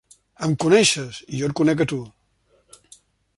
Em coneixes, i jo et conec a tu.